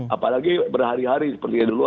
apalagi berhari hari seperti dulu